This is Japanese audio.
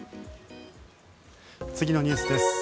次のニュースです。